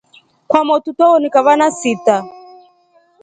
Kwamotru twawonika vana sita.